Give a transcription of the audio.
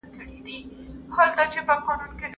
کمپيوټر شعر کمپوزوي.